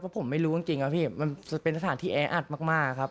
เพราะผมไม่รู้จริงว่ามันเป็นสถานที่แออัดมากครับ